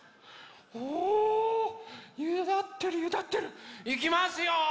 おおゆだってるゆだってる！いきますよ！